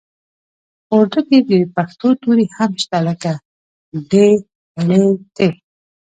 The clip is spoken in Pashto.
په اردو کې د پښتو توري هم شته لکه ډ ړ ټ